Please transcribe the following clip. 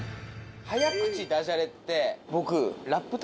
早口ダジャレって僕。